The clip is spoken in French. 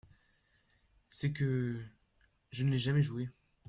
C’est que… je ne l’ai jamais joué !